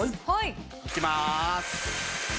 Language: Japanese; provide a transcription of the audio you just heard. いきます。